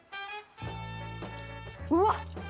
うわっ！